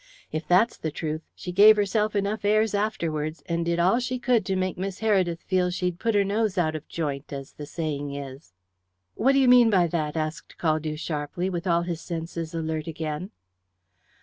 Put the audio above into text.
If that's the truth, she gave herself enough airs afterwards, and did all she could to make Miss Heredith feel she'd put her nose out of joint, as the saying is." "What do you mean by that?" asked Caldew sharply, with all his senses again alert.